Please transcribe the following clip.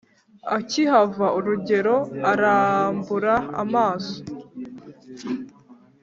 akihava rugero arambura amaso